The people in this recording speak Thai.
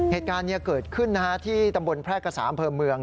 เหตุการณ์นี้เกิดขึ้นที่ตำบลแพร่กษาอำเภอเมือง